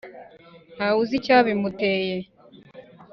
Ntawuzi icyabimuteye.